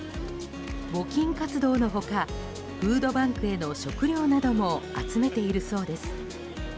募金活動の他フードバンクへの食料なども集めているそうです。